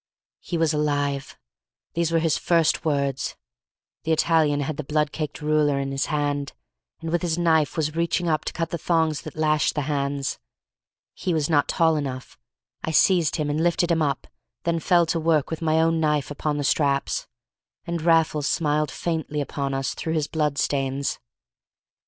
He was alive; these were his first words; the Italian had the blood caked ruler in his hand, and with his knife was reaching up to cut the thongs that lashed the hands. He was not tall enough, I seized him and lifted him up, then fell to work with my own knife upon the straps. And Raffles smiled faintly upon us through his blood stains.